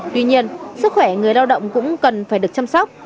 tuy nhiên sức khỏe người lao động cũng cần phải được chăm sóc